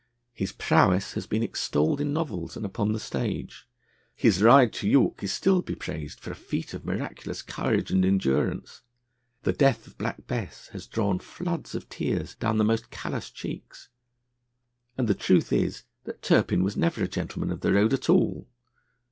His prowess has been extolled in novels and upon the stage; his ride to York is still bepraised for a feat of miraculous courage and endurance; the death of Black Bess has drawn floods of tears down the most callous cheeks. And the truth is that Turpin was never a gentleman of the road at all!